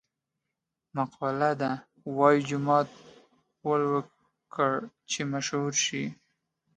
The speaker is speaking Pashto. مقوله ده: وايي جومات غول وکړه چې مشهور شې.